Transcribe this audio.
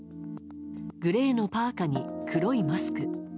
グレーのパーカに黒いマスク。